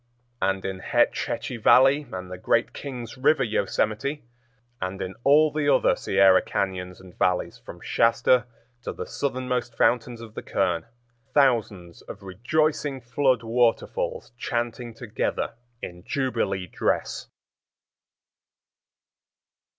And in Hetch Hetchy Valley and the great King's River yosemite, and in all the other Sierra cañons and valleys from Shasta to the southernmost fountains of the Kern, thousands of rejoicing flood waterfalls chanting together in jubilee dress.